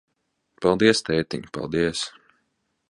Paldies, tētiņ, paldies.